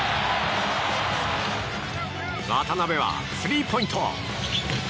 渡邊はスリーポイント！